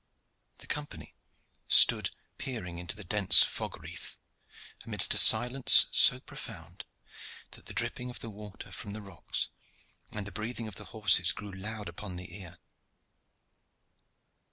The Company stood peering into the dense fog wreath, amidst a silence so profound that the dripping of the water from the rocks and the breathing of the horses grew loud upon the ear.